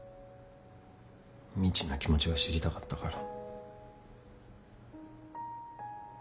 みちの気持ちが知りたかったから。